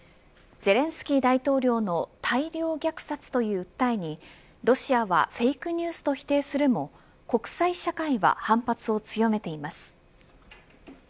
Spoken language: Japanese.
ゼレンスキー大統領の大量虐殺という訴えにロシアはフェイクニュースと否定するも国際社会は反発を強めています。